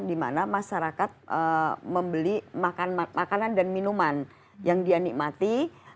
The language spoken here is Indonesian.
dimana masyarakat membeli makanan dan minuman yang dia nikmati